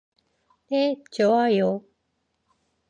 네, 좋아요.